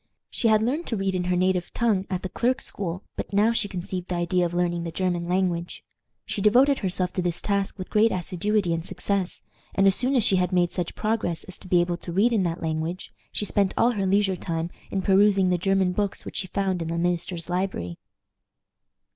She had learned to read in her native tongue at the clerk's school, but now she conceived the idea of learning the German language. She devoted herself to this task with great assiduity and success, and as soon as she had made such progress as to be able to read in that language, she spent all her leisure time in perusing the German books which she found in the minister's library.